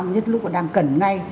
nhất lúc đang cần ngay